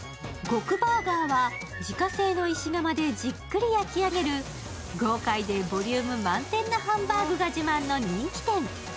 ＧＯＫＵＢＵＲＧＥＲは自家製の石窯でじっくり焼き上げる豪快でボリューム満点なハンバーグが自慢の人気店。